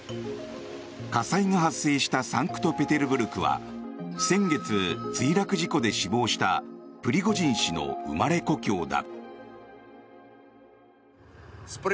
火災が発生したサンクトペテルブルクは先月、墜落事故で死亡したプリゴジン氏の生まれ故郷だ。